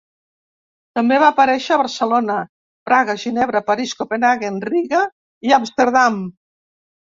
També va aparèixer a Barcelona, Praga, Ginebra, París, Copenhaguen, Riga i Amsterdam.